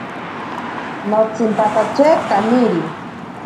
Notsimpatatye kaniri.